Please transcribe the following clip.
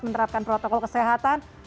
menerapkan protokol kesehatan